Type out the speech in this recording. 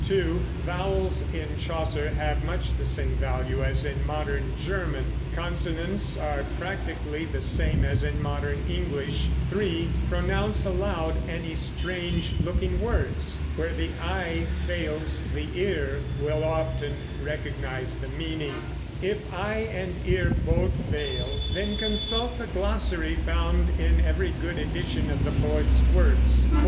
(2) Vowels in Chaucer have much the same value as in modern German; consonants are practically the same as in modern English. (3) Pronounce aloud any strange looking words. Where the eye fails, the ear will often recognize the meaning. If eye and ear both fail, then consult the glossary found in every good edition of the poet's works.